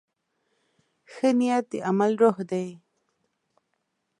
ښه نیت د عمل روح دی.